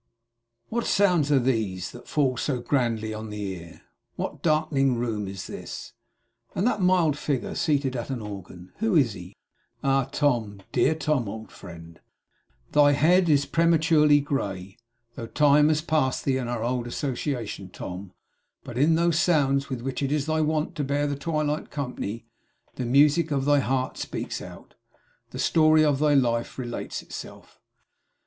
What sounds are these that fall so grandly on the ear! What darkening room is this! And that mild figure seated at an organ, who is he! Ah Tom, dear Tom, old friend! Thy head is prematurely grey, though Time has passed thee and our old association, Tom. But, in those sounds with which it is thy wont to bear the twilight company, the music of thy heart speaks out the story of thy life relates itself.